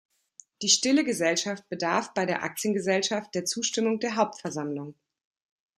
Die stille Gesellschaft bedarf bei der Aktiengesellschaft der Zustimmung der Hauptversammlung.